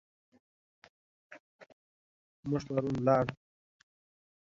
Volunteer community groups include the Del Cerro Action Council.